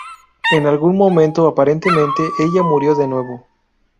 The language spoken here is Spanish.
En algún momento aparentemente ella murió de nuevo.